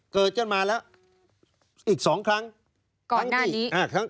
เกิดกันมาแล้วอีก๒ครั้ง